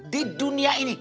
di dunia ini